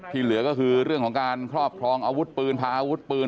เหลือก็คือเรื่องของการครอบครองอาวุธปืนพาอาวุธปืน